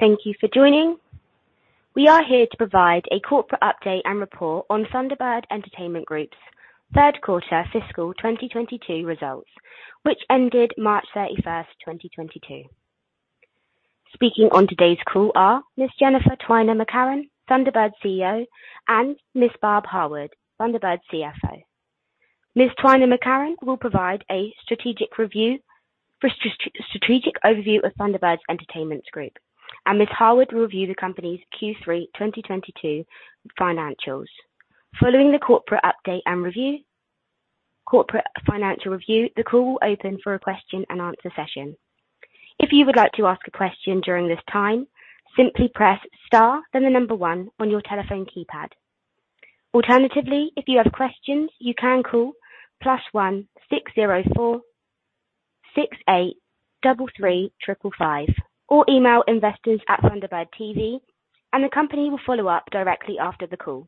Thank you for joining. We are here to provide a corporate update and report on Thunderbird Entertainment Group's third quarter fiscal 2022 results, which ended March 31, 2022. Speaking on today's call are Ms. Jennifer Twiner McCarron, Thunderbird CEO, and Ms. Barb Harwood, Thunderbird CFO. Ms. Twiner McCarron will provide a strategic overview of Thunderbird Entertainment Group, and Ms. Harwood will review the company's Q3 2022 financials. Following the corporate financial review, the call will open for a question-and-answer session. If you would like to ask a question during this time, simply press star, then the number one on your telephone keypad. Alternatively, if you have questions, you can call +1 604 683 555 or email investors at Thunderbird TV and the company will follow up directly after the call.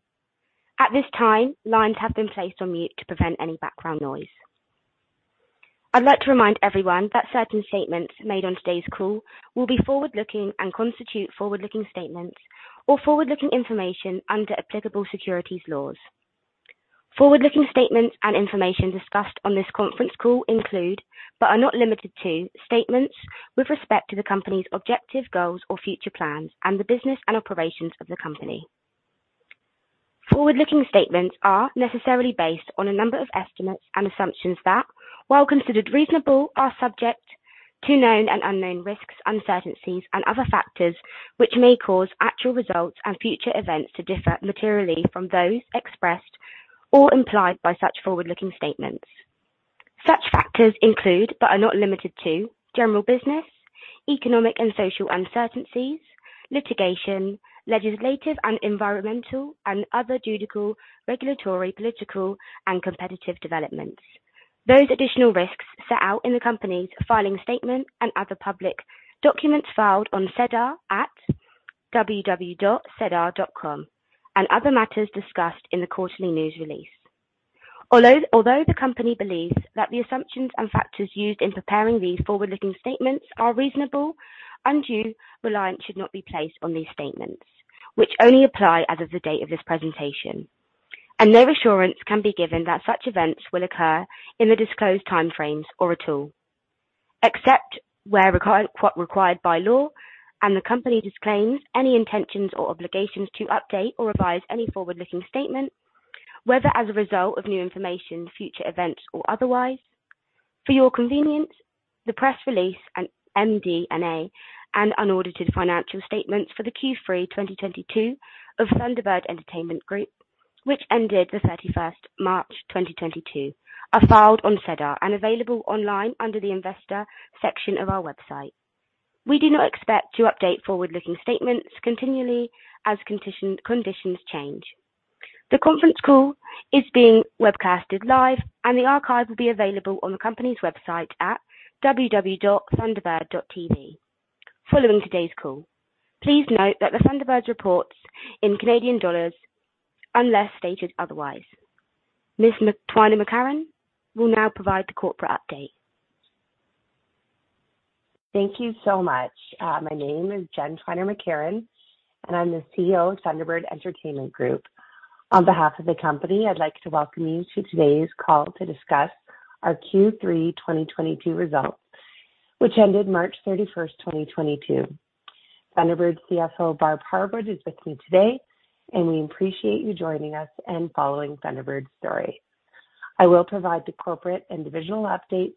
At this time, lines have been placed on mute to prevent any background noise. I'd like to remind everyone that certain statements made on today's call will be forward-looking and constitute forward-looking statements or forward-looking information under applicable securities laws. Forward-looking statements and information discussed on this conference call include, but are not limited to, statements with respect to the company's objectives, goals or future plans and the business and operations of the company. Forward-looking statements are necessarily based on a number of estimates and assumptions that, while considered reasonable, are subject to known and unknown risks, uncertainties and other factors which may cause actual results and future events to differ materially from those expressed or implied by such forward-looking statements. Such factors include, but are not limited to, general business, economic and social uncertainties, litigation, legislative and environmental and other judicial, regulatory, political and competitive developments. Those additional risks set out in the company's filing statement and other public documents filed on SEDAR at www.sedar.com and other matters discussed in the quarterly news release. Although the company believes that the assumptions and factors used in preparing these forward-looking statements are reasonable, undue reliance should not be placed on these statements which only apply as of the date of this presentation. No assurance can be given that such events will occur in the disclosed time frames or at all, except where required by law, and the company disclaims any intentions or obligations to update or revise any forward-looking statement, whether as a result of new information, future events or otherwise. For your convenience, the press release and MD&A and unaudited financial statements for the Q3 2022 of Thunderbird Entertainment Group, which ended March 31, 2022, are filed on SEDAR and available online under the investor section of our website. We do not expect to update forward-looking statements continually as conditions change. The conference call is being webcasted live and the archive will be available on the company's website at www.thunderbird.tv following today's call. Please note that the Thunderbird reports in Canadian dollars unless stated otherwise. Ms. Twiner McCarron will now provide the corporate update. Thank you so much. My name is Jennifer Twiner McCarron, and I'm the CEO of Thunderbird Entertainment Group. On behalf of the company, I'd like to welcome you to today's call to discuss our Q3 2022 results, which ended March 31, 2022. Thunderbird CFO Barb Harwood is with me today, and we appreciate you joining us and following Thunderbird's story. I will provide the corporate and divisional updates,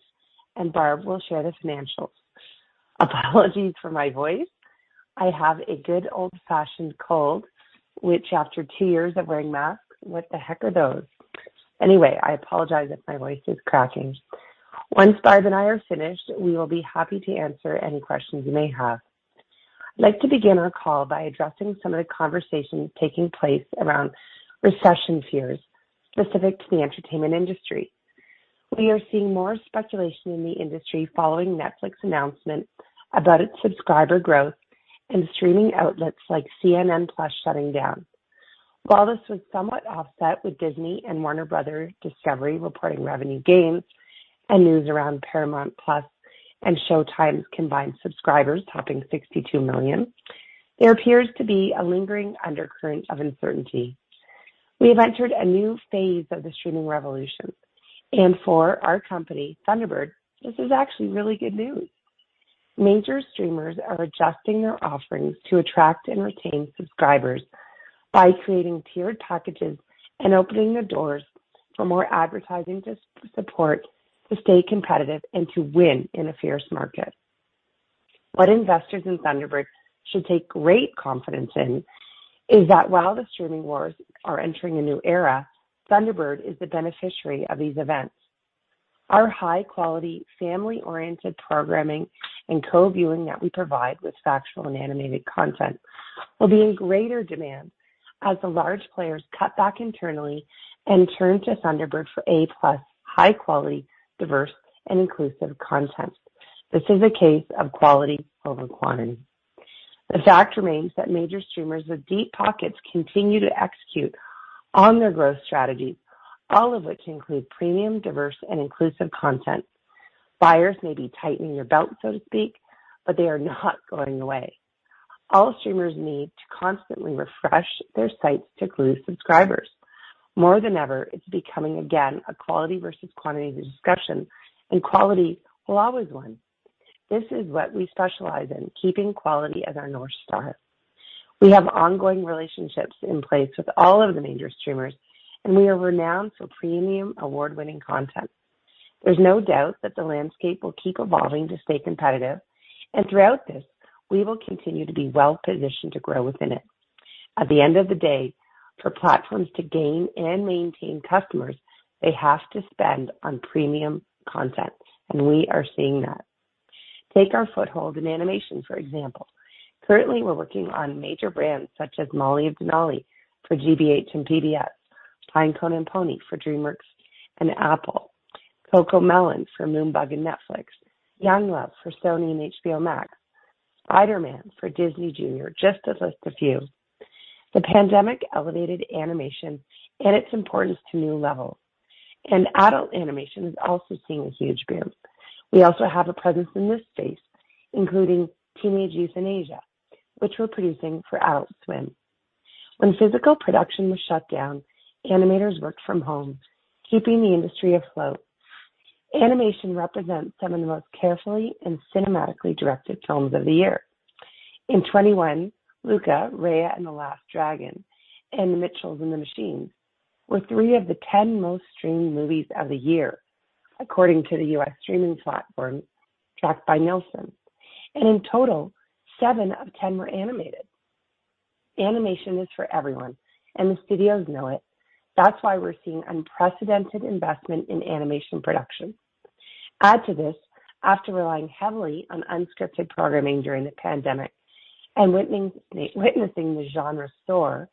and Barb will share the financials. Apologies for my voice. I have a good old-fashioned cold which after two years of wearing masks, what the heck are those? Anyway, I apologize if my voice is cracking. Once Barb and I are finished, we will be happy to answer any questions you may have. I'd like to begin our call by addressing some of the conversations taking place around recession fears specific to the entertainment industry. We are seeing more speculation in the industry following Netflix's announcement about its subscriber growth and streaming outlets like CNN+ shutting down. While this was somewhat offset with Disney and Warner Brothers Discovery reporting revenue gains and news around Paramount+ and Showtime's combined subscribers topping 62 million, there appears to be a lingering undercurrent of uncertainty. We have entered a new phase of the streaming revolution, and for our company, Thunderbird, this is actually really good news. Major streamers are adjusting their offerings to attract and retain subscribers by creating tiered packages and opening their doors for more advertising to support to stay competitive and to win in a fierce market. What investors in Thunderbird should take great confidence in is that while the streaming wars are entering a new era, Thunderbird is the beneficiary of these events. Our high-quality, family-oriented programming and co-viewing that we provide with factual and animated content will be in greater demand as the large players cut back internally and turn to Thunderbird for A-plus high-quality, diverse and inclusive content. This is a case of quality over quantity. The fact remains that major streamers with deep pockets continue to execute on their growth strategies, all of which include premium, diverse, and inclusive content. Buyers may be tightening their belts, so to speak, but they are not going away. All streamers need to constantly refresh their sites to glue subscribers. More than ever, it's becoming, again, a quality versus quantity discussion, and quality will always win. This is what we specialize in, keeping quality as our North Star. We have ongoing relationships in place with all of the major streamers, and we are renowned for premium award-winning content. There's no doubt that the landscape will keep evolving to stay competitive, and throughout this, we will continue to be well-positioned to grow within it. At the end of the day, for platforms to gain and maintain customers, they have to spend on premium content, and we are seeing that. Take our foothold in animation, for example. Currently, we're working on major brands such as Molly of Denali for GBH and PBS, Pinecone & Pony for DreamWorks and Apple, CoComelon for Moonbug and Netflix, Young Love for Sony and HBO Max, Spider-Man for Disney Junior, just to list a few. The pandemic elevated animation and its importance to new levels, and adult animation is also seeing a huge boom. We also have a presence in this space, including Teenage Euthanasia, which we're producing for Adult Swim. When physical production was shut down, animators worked from home, keeping the industry afloat. Animation represents some of the most carefully and cinematically directed films of the year. In 2021, Luca, Raya and the Last Dragon, and The Mitchells vs. the Machines were three of the 10 most-streamed movies of the year, according to the U.S. streaming platform tracked by Nielsen. In total, seven of 10 were animated. Animation is for everyone, and the studios know it. That's why we're seeing unprecedented investment in animation production. Add to this, after relying heavily on unscripted programming during the pandemic and witnessing the genre soar,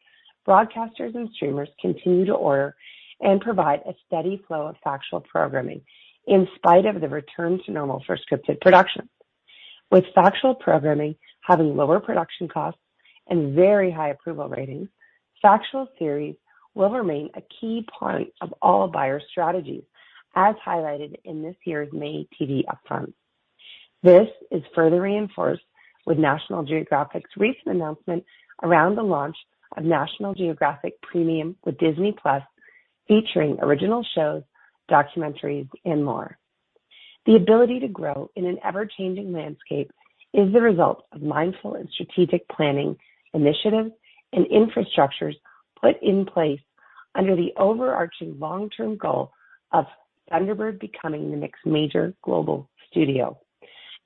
broadcasters and streamers continue to order and provide a steady flow of factual programming in spite of the return to normal for scripted production. With factual programming having lower production costs and very high approval ratings, factual series will remain a key point of all buyer strategies, as highlighted in this year's May TV upfront. This is further reinforced with National Geographic's recent announcement around the launch of National Geographic Premium with Disney+, featuring original shows, documentaries, and more. The ability to grow in an ever-changing landscape is the result of mindful and strategic planning, initiatives, and infrastructures put in place under the overarching long-term goal of Thunderbird becoming the next major global studio.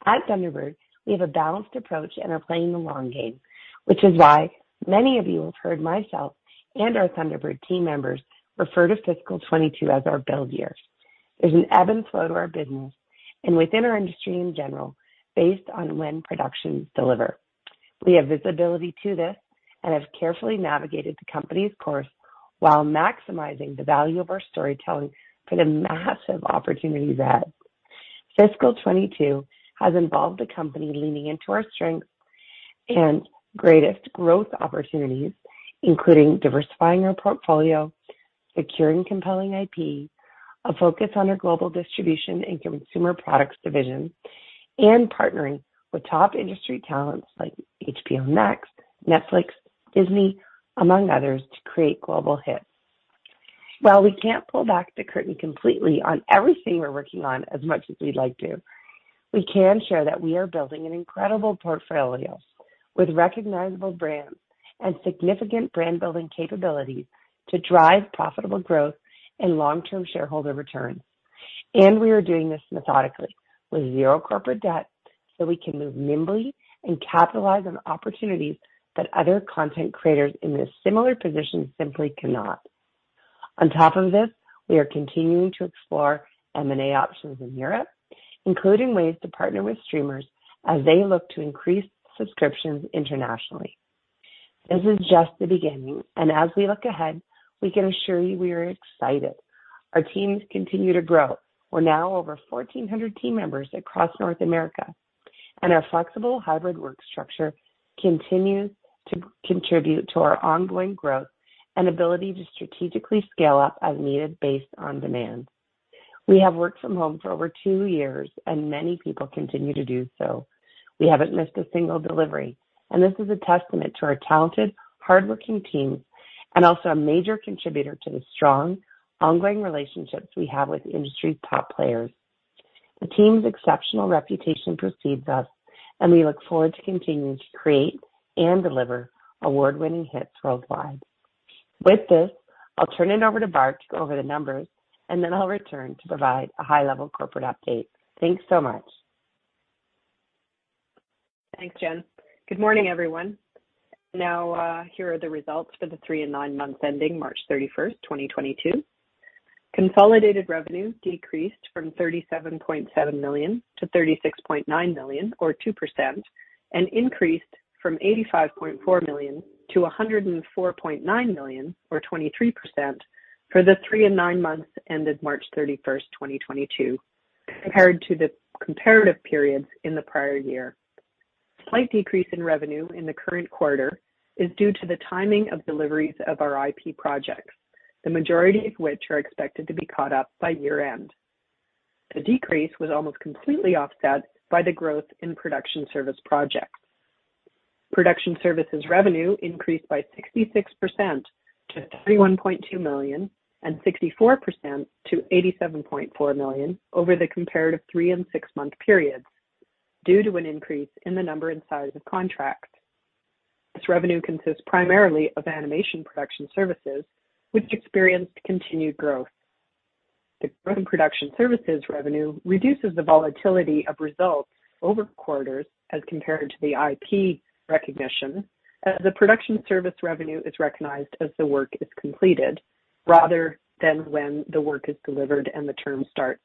At Thunderbird, we have a balanced approach and are playing the long game, which is why many of you have heard myself and our Thunderbird team members refer to fiscal 2022 as our build year. There's an ebb and flow to our business and within our industry in general based on when productions deliver. We have visibility to this and have carefully navigated the company's course while maximizing the value of our storytelling for the massive opportunities ahead. Fiscal 2022 has involved the company leaning into our strengths and greatest growth opportunities, including diversifying our portfolio, securing compelling IP, a focus on our global distribution and consumer products division, and partnering with top industry talents like HBO Max, Netflix, Disney, among others, to create global hits. While we can't pull back the curtain completely on everything we're working on as much as we'd like to, we can share that we are building an incredible portfolio with recognizable brands and significant brand-building capabilities to drive profitable growth and long-term shareholder returns. We are doing this methodically with zero corporate debt, so we can move nimbly and capitalize on opportunities that other content creators in this similar position simply cannot. On top of this, we are continuing to explore M&A options in Europe, including ways to partner with streamers as they look to increase subscriptions internationally. This is just the beginning, and as we look ahead, we can assure you we are excited. Our teams continue to grow. We're now over 1,400 team members across North America, and our flexible hybrid work structure continues to contribute to our ongoing growth and ability to strategically scale up as needed based on demand. We have worked from home for over two years, and many people continue to do so. We haven't missed a single delivery, and this is a testament to our talented, hardworking teams and also a major contributor to the strong, ongoing relationships we have with the industry's top players. The team's exceptional reputation precedes us, and we look forward to continuing to create and deliver award-winning hits worldwide. With this, I'll turn it over to Barb to go over the numbers, and then I'll return to provide a high-level corporate update. Thanks so much. Thanks, Jen. Good morning, everyone. Now, here are the results for the 3 and 9 months ending March 31, 2022. Consolidated revenue decreased from 37.7 million to 36.9 million or 2% and increased from 85.4 million to 104.9 million or 23% for the 3 and 9 months ended March 31, 2022. Compared to the comparative periods in the prior year. Slight decrease in revenue in the current quarter is due to the timing of deliveries of our IP projects, the majority of which are expected to be caught up by year-end. The decrease was almost completely offset by the growth in production service projects. Production services revenue increased by 66% to 31.2 million and 64% to 87.4 million over the comparative 3- and 6-month periods, due to an increase in the number and size of contracts. This revenue consists primarily of animation production services, which experienced continued growth. The growing production services revenue reduces the volatility of results over quarters as compared to the IP recognition, as the production service revenue is recognized as the work is completed rather than when the work is delivered and the term starts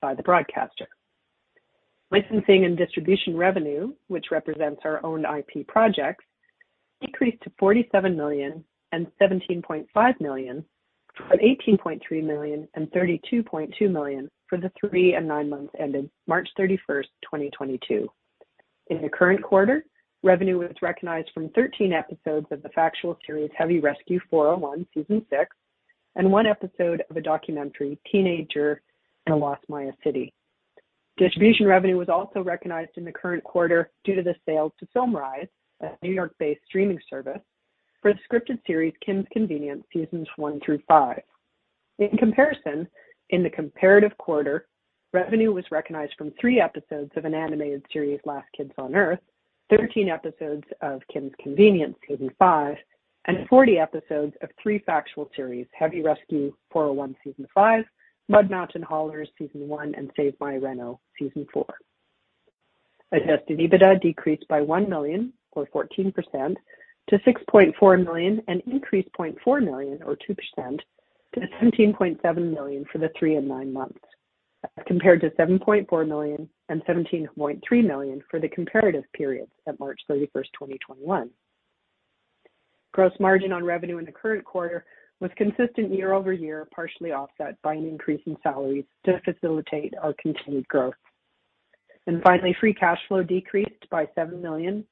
by the broadcaster. Licensing and distribution revenue, which represents our own IP projects, decreased to 47 million and 17.5 million from 18.3 million and 32.2 million for the 3 and 9 months ending March 31, 2022. In the current quarter, revenue was recognized from 13 episodes of the factual series Heavy Rescue: 401, season 6, and 1 episode of a documentary, Teenager in a Lost Maya City. Distribution revenue was also recognized in the current quarter due to the sale to FilmRise, a New York-based streaming service, for the scripted series Kim's Convenience, seasons 1 through 5. In comparison, in the comparative quarter, revenue was recognized from 3 episodes of an animated series, The Last Kids on Earth, 13 episodes of Kim's Convenience, season 5, and 40 episodes of three factual series, Heavy Rescue: 401, season 5, Mud Mountain Haulers, season 1, and Save My Reno, season 4. Adjusted EBITDA decreased by 1 million or 14% to 6.4 million and increased 0.4 million or 2% to 17.7 million for the 3 and 9 months, as compared to 7.4 million and 17.3 million for the comparative periods at March 31st, 2021. Gross margin on revenue in the current quarter was consistent year-over-year, partially offset by an increase in salaries to facilitate our continued growth. Finally, free cash flow decreased by 7 million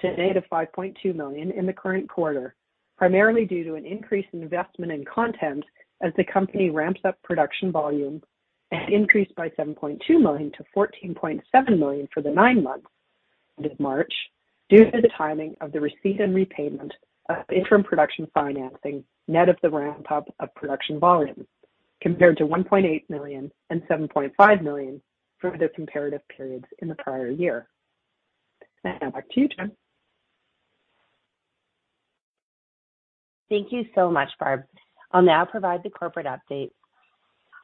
to a negative 5.2 million in the current quarter, primarily due to an increase in investment in content as the company ramps up production volume and increased by 7.2 million to 14.7 million for the nine months ended March, due to the timing of the receipt and repayment of interim production financing net of the ramp-up of production volumes, compared to 1.8 million and 7.5 million for the comparative periods in the prior year. Now back to you, Jennifer Twiner McCarron. Thank you so much, Barb. I'll now provide the corporate update.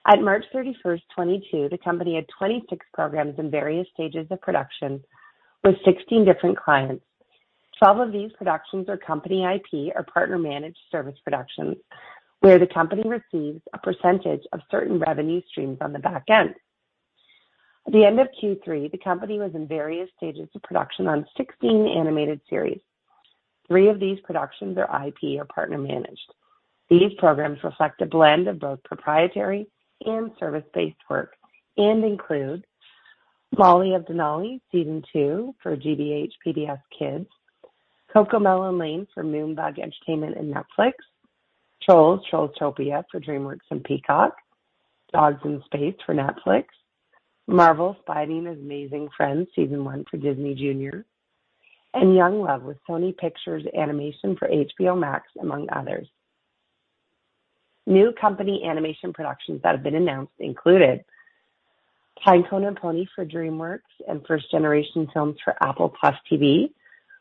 At March 31, 2022, the company had 26 programs in various stages of production with 16 different clients. Twelve of these productions are company IP or partner managed service productions, where the company receives a percentage of certain revenue streams on the back end. At the end of Q3, the company was in various stages of production on 16 animated series. Three of these productions are IP or partner managed. These programs reflect a blend of both proprietary and service-based work and include Molly of Denali, Season 2 for GBH PBS Kids, CoComelon Lane for Moonbug Entertainment and Netflix, Trolls: TrollsTopia for DreamWorks and Peacock, Dogs in Space for Netflix, Marvel's Spidey and His Amazing Friends, Season 1 for Disney Junior, and Young Love with Sony Pictures Animation for HBO Max, among others. New company animation productions that have been announced included Pinecone & Pony for DreamWorks and First Generation Films for Apple TV+,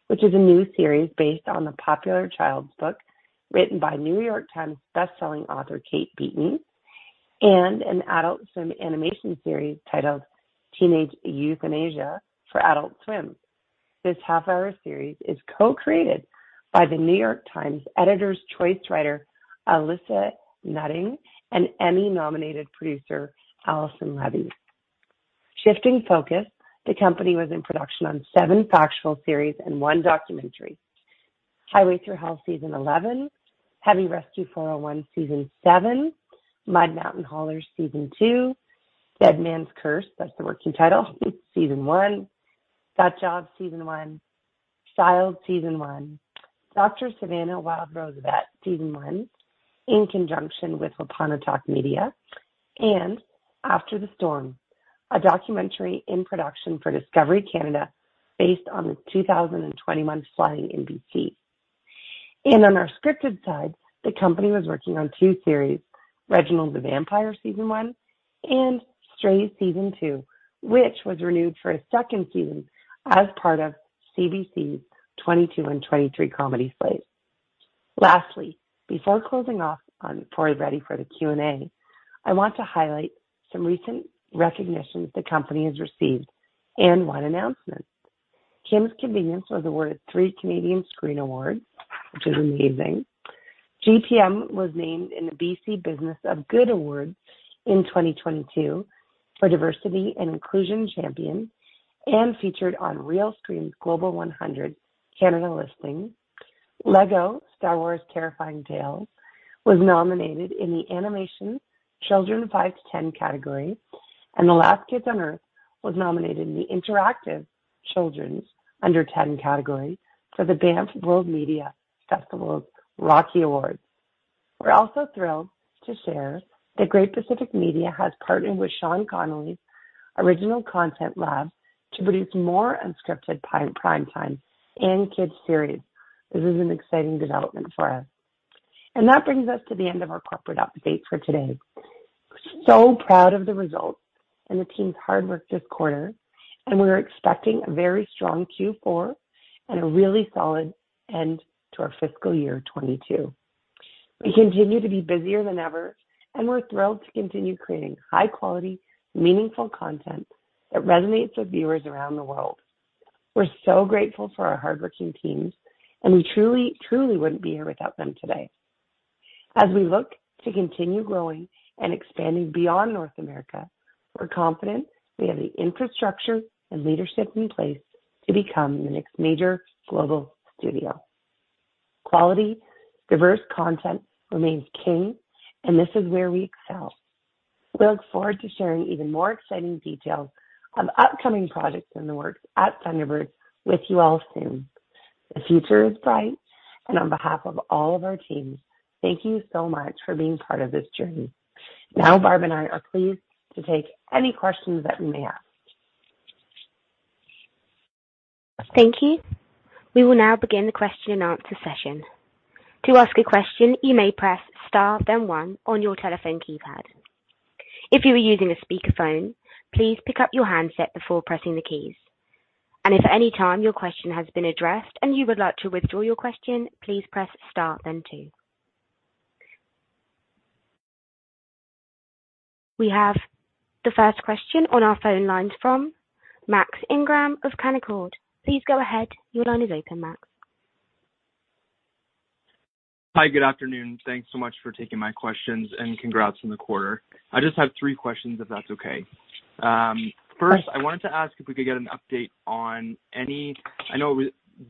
which is a new series based on the popular child's book written by New York Times best-selling author Kate Beaton, and an Adult Swim animation series titled Teenage Euthanasia for Adult Swim. This half-hour series is co-created by The New York Times Editor's Choice writer, Alissa Nutting, and Emmy-nominated producer, Alyson Levy. Shifting focus, the company was in production on seven factual series and one documentary. Highway Thru Hell, Season 11, Heavy Rescue: 401, Season seven, Mud Mountain Haulers, Season two, Deadman's Curse, that's the working title Season one, Gut Job, Season one, Chilled, Season one. Dr. Savannah: Wild Rose Vet, Season one, in conjunction with Wapanatahk Media, and After the Storm, a documentary in production for Discovery Channel based on the 2021 flooding in BC. On our scripted side, the company was working on two series, Reginald the Vampire, Season one, and Strays, Season two, which was renewed for a second season as part of CBC's 2022 and 2023 comedy slate. Lastly, before we're ready for the Q&A, I want to highlight some recent recognitions the company has received and one announcement. Kim's Convenience was awarded three Canadian Screen Awards, which is amazing. GPM was named in the Business of Good Awards in 2022 for Diversity & Inclusion Champion and featured on Realscreen's Global 100 Canada listing. Lego Star Wars: Terrifying Tales was nominated in the Animation Children Five to Ten category, and The Last Kids on Earth was nominated in the Interactive Children's Under Ten category for the Banff World Media Festival's Rockie Awards. We're also thrilled to share that Great Pacific Media has partnered with Sean Connolly's Original Content Lab to produce more unscripted primetime and kids series. This is an exciting development for us. That brings us to the end of our corporate update for today. We're so proud of the results and the team's hard work this quarter, and we're expecting a very strong Q4 and a really solid end to our fiscal year 2022. We continue to be busier than ever, and we're thrilled to continue creating high quality, meaningful content that resonates with viewers around the world. We're so grateful for our hardworking teams, and we truly wouldn't be here without them today. As we look to continue growing and expanding beyond North America, we're confident we have the infrastructure and leadership in place to become the next major global studio. Quality, diverse content remains king, and this is where we excel. We look forward to sharing even more exciting details on upcoming projects in the works at Thunderbird with you all soon. The future is bright. On behalf of all of our teams, thank you so much for being part of this journey. Now Barb and I are pleased to take any questions that we may have. Thank you. We will now begin the question and answer session. To ask a question, you may press Star then 1 on your telephone keypad. If you are using a speakerphone, please pick up your handset before pressing the keys. If at any time your question has been addressed and you would like to withdraw your question, please press Star then 2. We have the first question on our phone lines from Max Ingram of Canaccord. Please go ahead. Your line is open, Max. Hi, good afternoon. Thanks so much for taking my questions and congrats on the quarter. I just have three questions, if that's okay. First, I wanted to ask if we could get an update. I know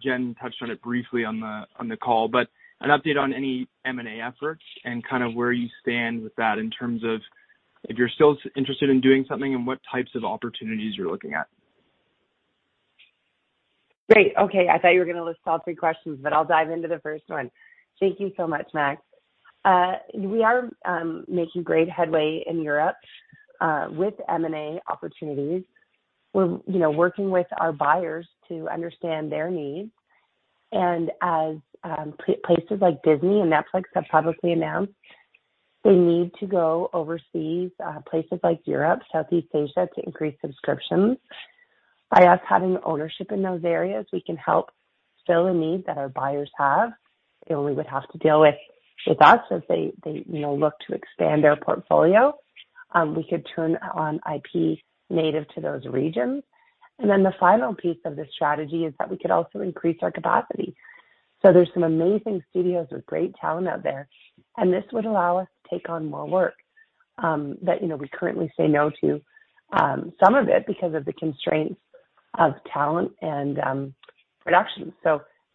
Jen touched on it briefly on the call, but an update on any M&A efforts and kind of where you stand with that in terms of if you're still interested in doing something and what types of opportunities you're looking at. Great. Okay. I thought you were gonna list all three questions, but I'll dive into the first one. Thank you so much, Max. We are making great headway in Europe with M&A opportunities. We're, you know, working with our buyers to understand their needs. As places like Disney and Netflix have publicly announced, they need to go overseas, places like Europe, Southeast Asia, to increase subscriptions. By us having ownership in those areas, we can help fill a need that our buyers have. They only would have to deal with us as they, you know, look to expand their portfolio. We could turn on IP native to those regions. The final piece of the strategy is that we could also increase our capacity. There's some amazing studios with great talent out there, and this would allow us to take on more work, that, you know, we currently say no to, some of it because of the constraints of talent and production.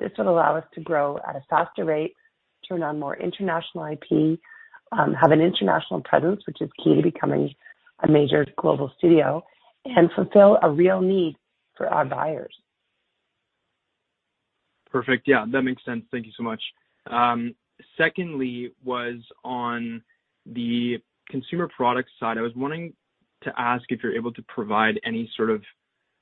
This would allow us to grow at a faster rate, turn on more international IP, have an international presence, which is key to becoming a major global studio, and fulfill a real need for our buyers. Perfect. Yeah, that makes sense. Thank you so much. Secondly was on the consumer product side. I was wanting to ask if you're able to provide any sort of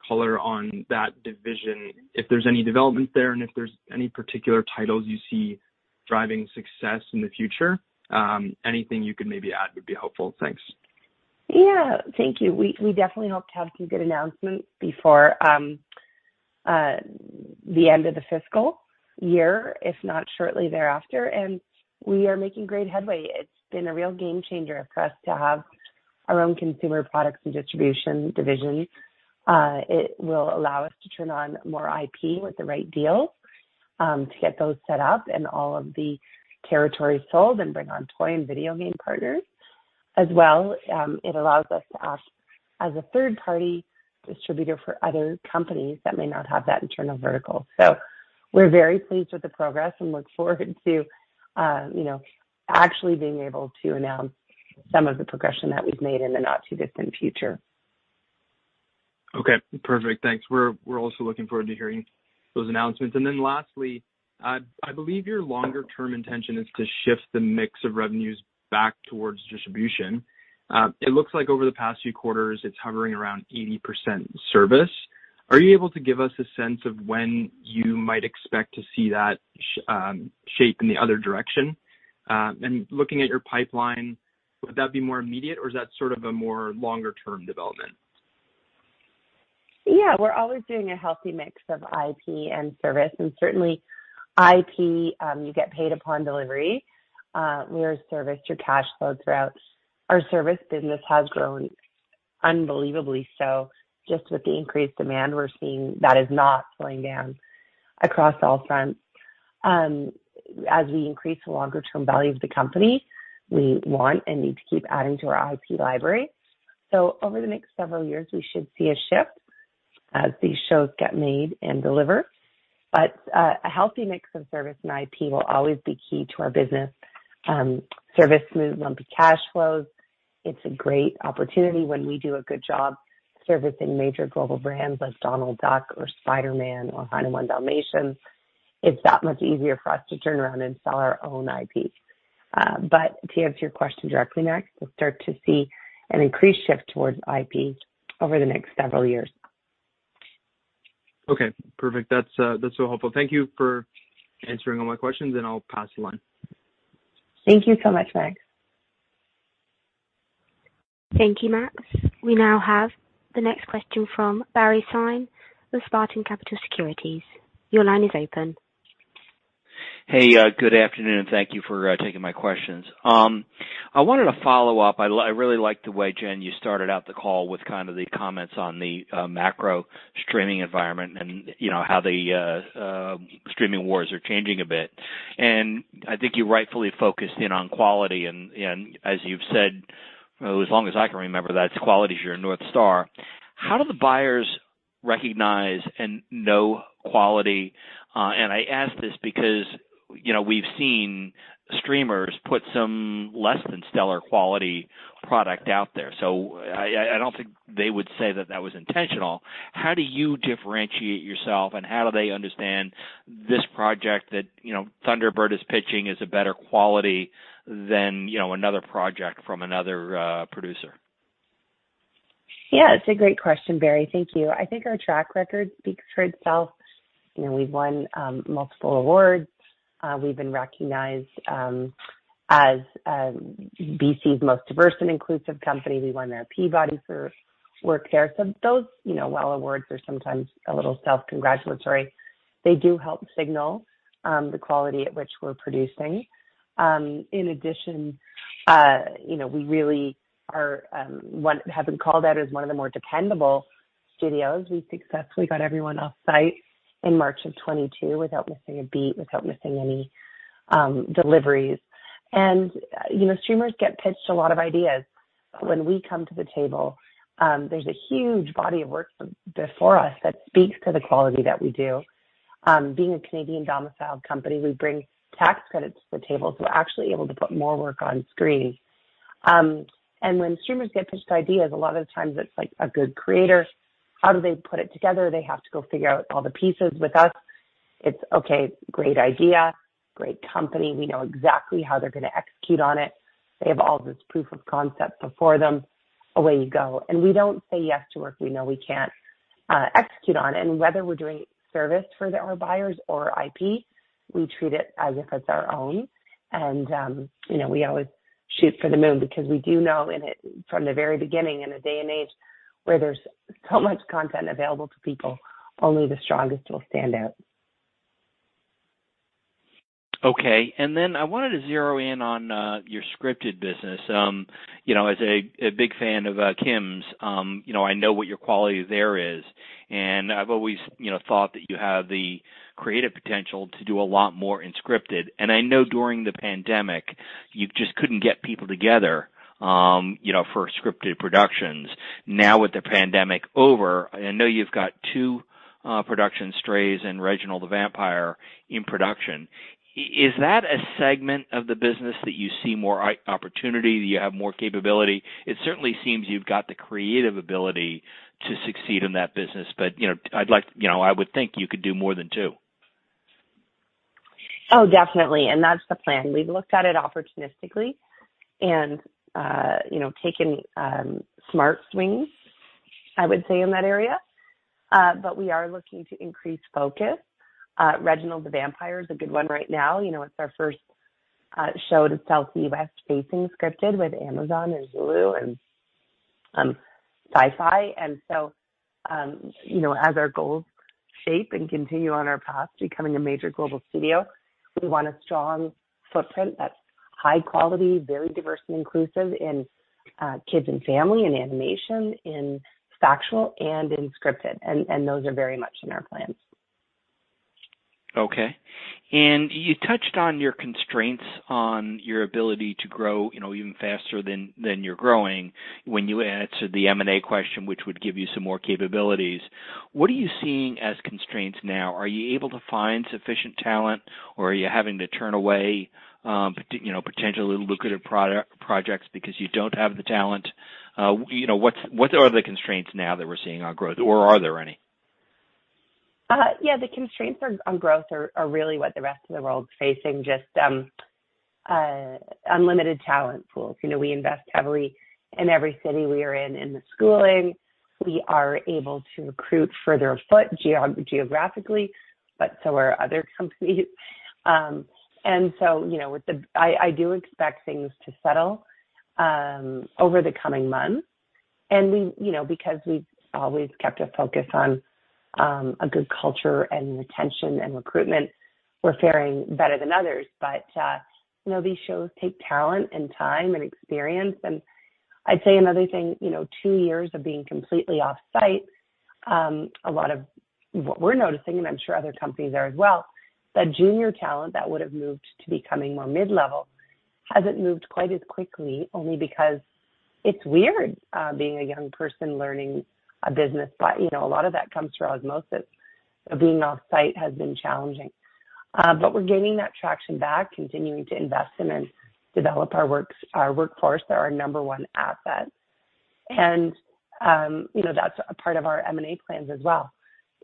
color on that division, if there's any development there, and if there's any particular titles you see driving success in the future. Anything you could maybe add would be helpful. Thanks. Yeah. Thank you. We definitely hope to have a few good announcements before the end of the fiscal year, if not shortly thereafter. We are making great headway. It's been a real game changer for us to have our own consumer products and distribution division. It will allow us to turn on more IP with the right deal to get those set up and all of the territories sold and bring on toy and video game partners. As well, it allows us to act as a third-party distributor for other companies that may not have that internal vertical. We're very pleased with the progress and look forward to you know, actually being able to announce some of the progression that we've made in the not too distant future. Okay, perfect. Thanks. We're also looking forward to hearing those announcements. I believe your longer term intention is to shift the mix of revenues back towards distribution. It looks like over the past few quarters, it's hovering around 80% service. Are you able to give us a sense of when you might expect to see that shape in the other direction? Looking at your pipeline, would that be more immediate, or is that sort of a more longer term development? Yeah, we're always doing a healthy mix of IP and service, and certainly IP, you get paid upon delivery. Whereas service, your cash flow throughout. Our service business has grown unbelievably so just with the increased demand we're seeing that is not slowing down across all fronts. As we increase the longer term value of the company, we want and need to keep adding to our IP library. So over the next several years, we should see a shift as these shows get made and deliver. A healthy mix of service and IP will always be key to our business. Service smooths lumpy cash flows. It's a great opportunity when we do a good job servicing major global brands like Donald Duck or Spider-Man or 101 Dalmatians. It's that much easier for us to turn around and sell our own IP. To answer your question directly, Max, we'll start to see an increased shift towards IP over the next several years. Okay. Perfect. That's so helpful. Thank you for answering all my questions, and I'll pass the line. Thank you so much, Max. Thank you, Max. We now have the next question from Barry Sine with Spartan Capital Securities. Your line is open. Hey, good afternoon, and thank you for taking my questions. I wanted to follow up. I really like the way, Jen, you started out the call with kind of the comments on the macro streaming environment and, you know, how the streaming wars are changing a bit. I think you rightfully focused in on quality and as you've said, as long as I can remember, that's quality is your North Star. How do the buyers recognize and know quality? I ask this because, you know, we've seen streamers put some less than stellar quality product out there. I don't think they would say that that was intentional. How do you differentiate yourself, and how do they understand this project that, you know, Thunderbird is pitching is a better quality than, you know, another project from another producer? Yeah, it's a great question, Barry. Thank you. I think our track record speaks for itself. You know, we've won multiple awards. We've been recognized as BC's most diverse and inclusive company. We won our Peabody for work there. Those, you know, while awards are sometimes a little self-congratulatory, they do help signal the quality at which we're producing. In addition, you know, we really have been called out as one of the more dependable studios. We successfully got everyone off-site in March of 2022 without missing a beat, without missing any deliveries. You know, streamers get pitched a lot of ideas. When we come to the table, there's a huge body of work before us that speaks to the quality that we do. Being a Canadian domiciled company, we bring tax credits to the table, so we're actually able to put more work on screen. When streamers get pitched ideas, a lot of the times it's like a good creator. How do they put it together? They have to go figure out all the pieces. With us, it's okay, great idea, great company. We know exactly how they're gonna execute on it. They have all this proof of concept before them. Away you go. We don't say yes to work we know we can't execute on. Whether we're doing service for our buyers or IP, we treat it as if it's our own. You know, we always shoot for the moon because we do know it from the very beginning, in a day and age where there's so much content available to people, only the strongest will stand out. Okay. I wanted to zero in on your scripted business. You know, as a big fan of Kim's, you know, I know what your quality there is, and I've always, you know, thought that you have the creative potential to do a lot more in scripted. I know during the pandemic, you just couldn't get people together, you know, for scripted productions. Now, with the pandemic over, I know you've got 2 productions, Strays and Reginald the Vampire, in production. Is that a segment of the business that you see more opportunity, you have more capability? It certainly seems you've got the creative ability to succeed in that business. You know, I'd like, you know, I would think you could do more than 2. Oh, definitely. That's the plan. We've looked at it opportunistically and, you know, taken, smart swings, I would say, in that area. We are looking to increase focus. Reginald the Vampire is a good one right now. You know, it's our first show to US-facing scripted with Amazon and Hulu and, Syfy. You know, as our goals shape and continue on our path to becoming a major global studio, we want a strong footprint that's high quality, very diverse and inclusive in kids and family and animation, in factual and in scripted. Those are very much in our plans. Okay. You touched on your constraints on your ability to grow, you know, even faster than you're growing when you answered the M&A question, which would give you some more capabilities. What are you seeing as constraints now? Are you able to find sufficient talent, or are you having to turn away, you know, potentially lucrative projects because you don't have the talent? You know, what are the constraints now that we're seeing on growth, or are there any? Yeah, the constraints on growth are really what the rest of the world's facing, just limited talent pools. You know, we invest heavily in every city we are in the schooling. We are able to recruit further afield geographically, but so are other companies. You know, I do expect things to settle over the coming months. You know, because we've always kept a focus on a good culture and retention and recruitment, we're faring better than others. You know, these shows take talent and time and experience. I'd say another thing, you know, two years of being completely off-site, a lot of what we're noticing, and I'm sure other companies are as well, that junior talent that would have moved to becoming more mid-level hasn't moved quite as quickly, only because it's weird being a young person learning a business. But, you know, a lot of that comes through osmosis. Being off-site has been challenging. But we're gaining that traction back, continuing to invest in and develop our workforce, they're our number one asset. And, you know, that's a part of our M&A plans as well,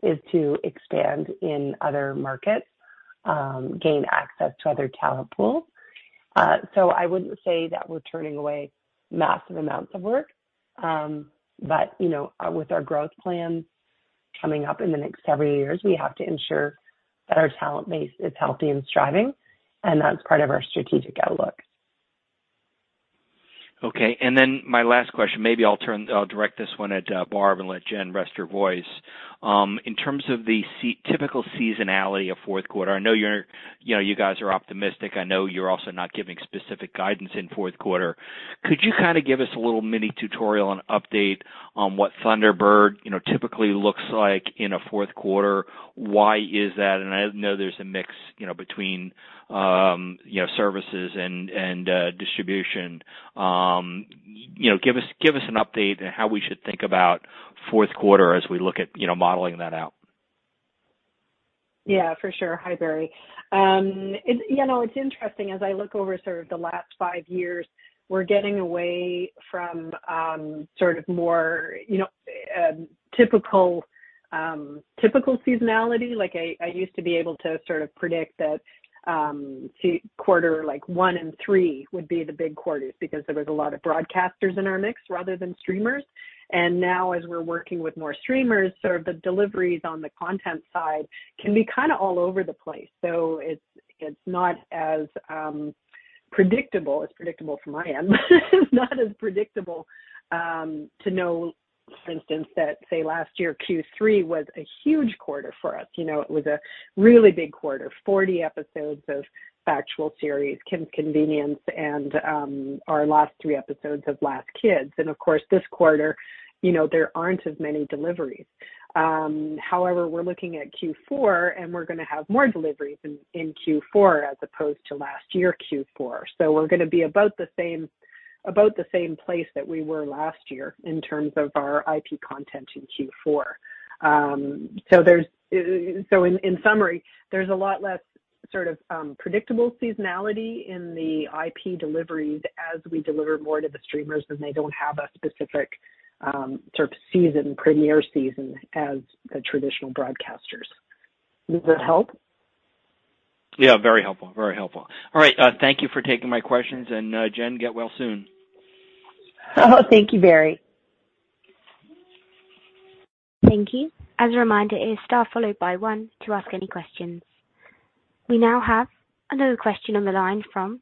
is to expand in other markets, gain access to other talent pools. So I wouldn't say that we're turning away massive amounts of work. You know, with our growth plans coming up in the next several years, we have to ensure that our talent base is healthy and striving, and that's part of our strategic outlook. Okay. Then my last question, maybe I'll direct this one at Barb and let Jen rest her voice. In terms of the typical seasonality of fourth quarter, I know you're, you know, you guys are optimistic. I know you're also not giving specific guidance in fourth quarter. Could you kinda give us a little mini tutorial and update on what Thunderbird, you know, typically looks like in a fourth quarter? Why is that? I know there's a mix, you know, between services and distribution. You know, give us an update on how we should think about fourth quarter as we look at, you know, modeling that out. Yeah, for sure. Hi, Barry. You know, it's interesting as I look over sort of the last five years, we're getting away from sort of more, you know, typical seasonality. Like I used to be able to sort of predict that quarter like 1 and 3 would be the big quarters because there was a lot of broadcasters in our mix rather than streamers. Now as we're working with more streamers, sort of the deliveries on the content side can be kinda all over the place. It's not as predictable. It's predictable from my end. It's not as predictable to know, for instance, that say last year, Q3 was a huge quarter for us. You know, it was a really big quarter, 40 episodes of factual series, Kim's Convenience, and our last 3 episodes of Last Kids. Of course, this quarter, you know, there aren't as many deliveries. However, we're looking at Q4, and we're gonna have more deliveries in Q4 as opposed to last year Q4. So we're gonna be about the same, about the same place that we were last year in terms of our IP content in Q4. In summary, there's a lot less sort of predictable seasonality in the IP deliveries as we deliver more to the streamers, and they don't have a specific sort of season, premiere season as a traditional broadcasters. Does that help? Yeah, very helpful, very helpful. All right. Thank you for taking my questions. Jen, get well soon. Oh, thank you, Barry. Thank you. As a reminder, it is star followed by one to ask any questions. We now have another question on the line from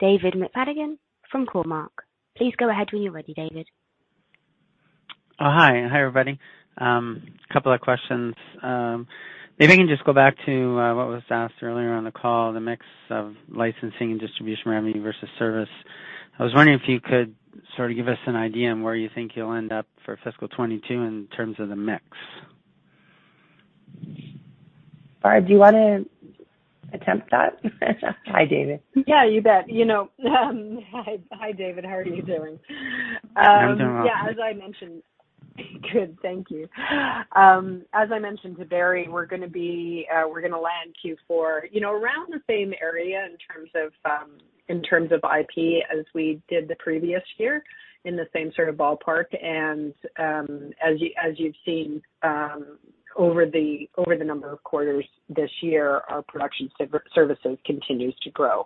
David McFadgen from Cormark. Please go ahead when you're ready, David. Oh, hi. Hi, everybody. A couple of questions. Maybe I can just go back to what was asked earlier on the call, the mix of licensing and distribution revenue versus service. I was wondering if you could sort of give us an idea on where you think you'll end up for fiscal 2022 in terms of the mix. Barb, do you wanna attempt that? Hi, David. Yeah, you bet. You know, hi, David. How are you doing? I'm doing well. Yeah. Good. Thank you. As I mentioned to Barry, we're gonna land Q4, you know, around the same area in terms of IP as we did the previous year, in the same sort of ballpark. As you've seen over the number of quarters this year, our production services continues to grow.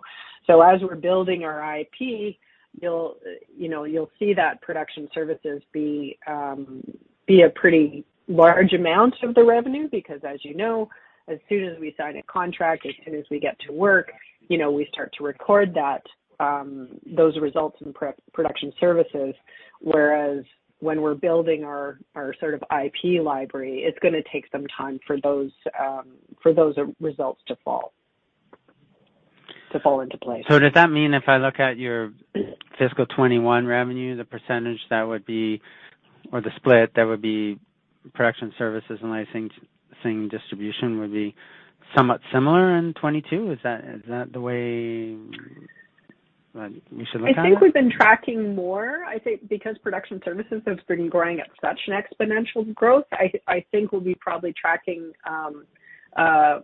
As we're building our IP, you know, you'll see that production services be a pretty large amount of the revenue because, as you know, as soon as we sign a contract, as soon as we get to work, you know, we start to record those results in production services. Whereas when we're building our sort of IP library, it's gonna take some time for those results to fall into place. Does that mean if I look at your fiscal 2021 revenue, the percentage that would be, or the split that would be production services and licensing distribution would be somewhat similar in 2022? Is that the way we should look at it? I think we've been tracking more. I think because production services has been growing at such an exponential growth, I think we'll be probably tracking more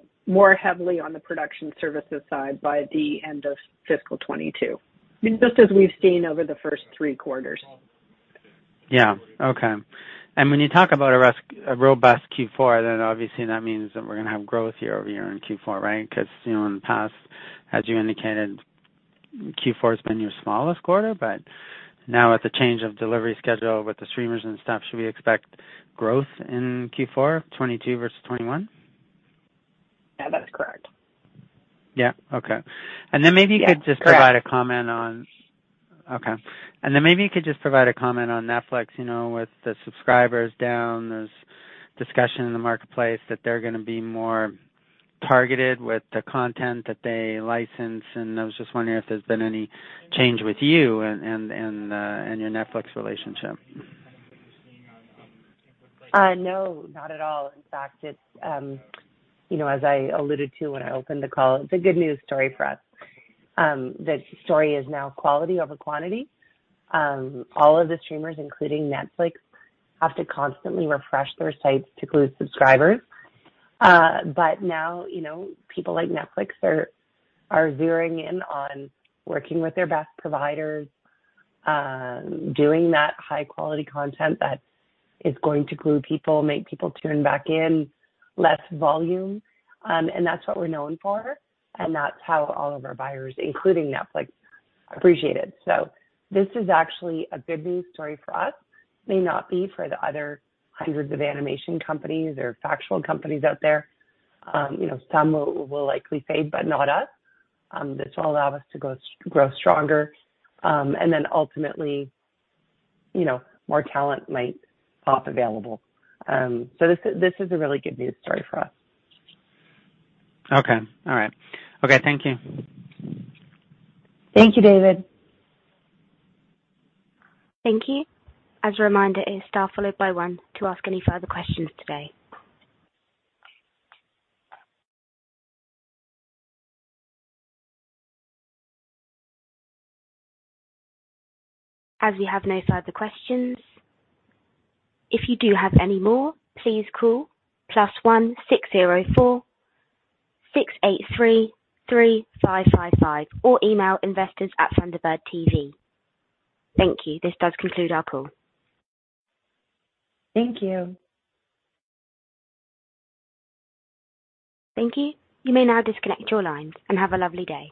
heavily on the production services side by the end of fiscal 2022. I mean, just as we've seen over the first three quarters. Yeah. Okay. When you talk about a robust Q4, then obviously that means that we're gonna have growth year-over-year in Q4, right? 'Cause, you know, in the past, as you indicated, Q4 has been your smallest quarter. Now with the change of delivery schedule with the streamers and stuff, should we expect growth in Q4, 2022 versus 2021? Yeah, that is correct. Yeah. Okay. Yeah. Correct. Maybe you could just provide a comment on Netflix, you know, with the subscribers down. There's discussion in the marketplace that they're gonna be more targeted with the content that they license. I was just wondering if there's been any change with you and your Netflix relationship. No, not at all. In fact, it's, you know, as I alluded to when I opened the call, it's a good news story for us. The story is now quality over quantity. All of the streamers, including Netflix, have to constantly refresh their sites to glue subscribers. Now, you know, people like Netflix are zeroing in on working with their best providers, doing that high quality content that is going to glue people, make people tune back in, less volume. That's what we're known for, and that's how all of our buyers, including Netflix, appreciate it. This is actually a good news story for us. May not be for the other hundreds of animation companies or factual companies out there. You know, some will likely fade, but not us. This will allow us to grow stronger, and then ultimately, you know, more talent might pop available. This is a really good news story for us. Okay. All right. Okay. Thank you. Thank you, David. Thank you. As a reminder, it is star followed by one to ask any further questions today. As we have no further questions, if you do have any more, please call +1 604 683 5555 or email investors at Thunderbird TV. Thank you. This does conclude our call. Thank you. Thank you. You may now disconnect your lines, and have a lovely day.